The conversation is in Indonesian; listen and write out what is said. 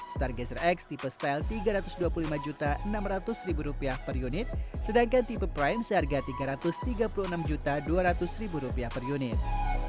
stargazer x tipe style rp tiga ratus dua puluh lima enam ratus per unit sedangkan tipe prime seharga rp tiga ratus tiga puluh enam dua ratus per unit